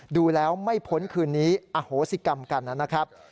ดูแล้วไม่พ้นคืนนี้อโหสิกรรมกันนะครับ